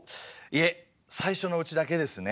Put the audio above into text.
いえ最初のうちだけですね。